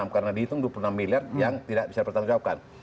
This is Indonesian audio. karena dihitung dua puluh enam miliar yang tidak bisa dipertanggalkan